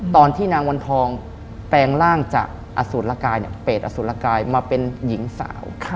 ตอนที่นางวันทองแปลงร่างจากอสูตรละกายเปรตอสูตรละกายมาเป็นหญิงสาว